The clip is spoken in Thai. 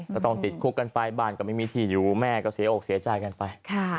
ก็ต้องติดคุกกันไปบ้านก็ไม่มีที่อยู่แม่ก็เสียอกเสียใจกันไป